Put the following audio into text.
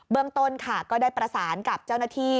เรื่องต้นค่ะก็ได้ประสานกับเจ้าหน้าที่